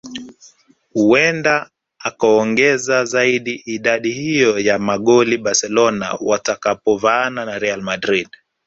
Huenda akaongeza zaidi idadi hiyo ya magoli Barcelona watakapovaana na Real Madrid